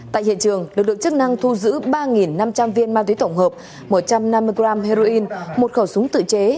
tại hiện trường lực lượng chức năng thu giữ ba năm trăm linh viên ma túy tổng hợp một trăm năm mươi g heroin một khẩu súng tự chế